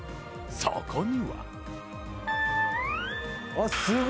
そこには。